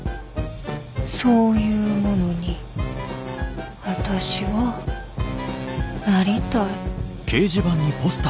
そういうものに私はなりたい。